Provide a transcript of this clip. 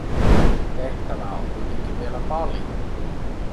Tehtävää on kuitenkin vielä paljon.